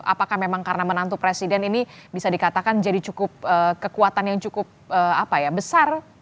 apakah memang karena menantu presiden ini bisa dikatakan jadi cukup kekuatan yang cukup besar